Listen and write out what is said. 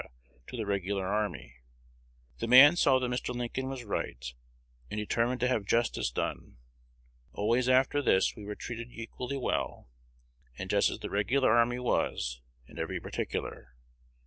to the regular army. The man saw that Mr. Lincoln was right, and determined to have justice done. Always after this we were treated equally well, and just as the regular army was, in every particular.